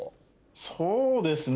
そうですね